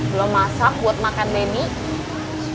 belum masak buat makan leni